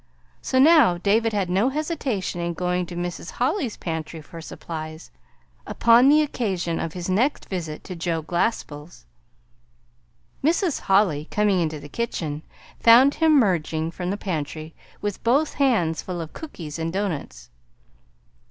So now David had no hesitation in going to Mrs. Holly's pantry for supplies, upon the occasion of his next visit to Joe Glaspell's. Mrs. Holly, coming into the kitchen, found him merging from the pantry with both hands full of cookies and doughnuts.